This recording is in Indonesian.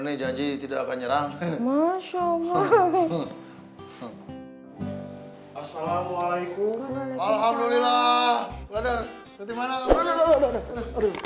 nih biji tidak akan nyerang masya allah aja muslim assalamualaikum jiwa rhkk bander